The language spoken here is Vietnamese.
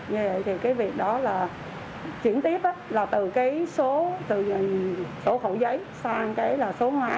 như vậy thì cái việc đó là chuyển tiếp là từ cái số từ số khẩu giấy sang cái là số hóa